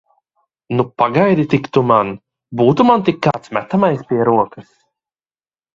Nu, pagaidi tik tu man! Būtu man tik kāds metamais pie rokas!